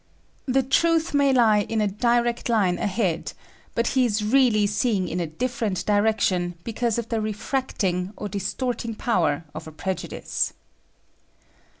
The truth may lie in a direct line ahead, but he is really seeing in a different direction because of the refracting or distort ing power of a prejudice.